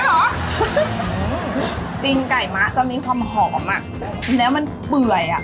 จริงไก่มะจะมีความหอมอ่ะทีนี้มันเปื่อยอ่ะ